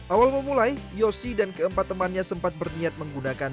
awal memulai yosi dan keempat temannya sempat berniat menggunakan